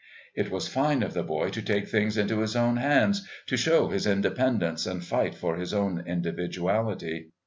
It was fine of the boy to take things into his own hands, to show his independence and to fight for his own individuality.